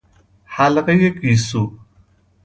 حلقهی گیسو